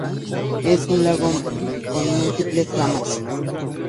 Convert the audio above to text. Es un lago con múltiples ramas.